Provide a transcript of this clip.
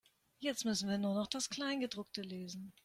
Jetzt müssen wir noch das Kleingedruckte lesen.